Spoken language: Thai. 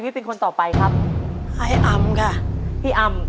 พี่อัม